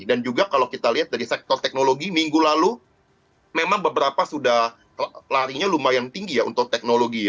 dan juga kalau kita lihat dari sektor teknologi minggu lalu memang beberapa sudah larinya lumayan tinggi ya untuk teknologi